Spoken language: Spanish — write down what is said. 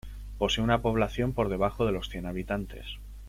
Posee una población por debajo de los cien habitantes.